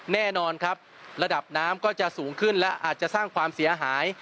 แน่นอนครับระดับน้ำก็จะสูงขึ้นและอาจจะสร้างความเสียหาย